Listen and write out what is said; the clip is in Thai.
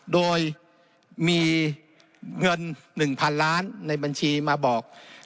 โดยมีเงิน๑๐๐๐ล้านในบัญชีมาบอก